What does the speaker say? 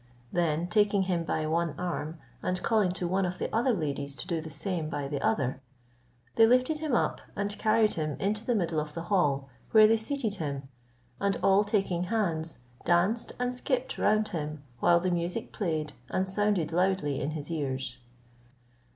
Then taking him by one arm, and calling to one of the other ladies to do the same by the other, they lifted him up, and carried him into the middle of the hall, where they seated him, and all taking hands, danced and skipped round him while the music played and sounded loudly in his ears.